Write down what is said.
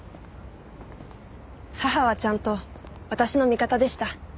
母はちゃんと私の味方でした。